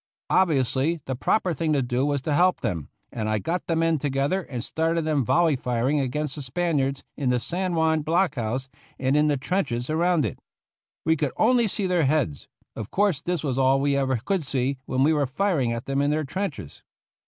Obviously the proper thing to do was to help them, and I got the men together and started them volley firing against the Spaniards in the San Juan block house and in the trenches around it. We could only see their heads; of course this was all we ever could see when we were firing at them in their trenches.